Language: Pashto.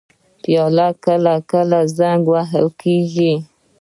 پیاله کله کله زنګ وهل کېږي.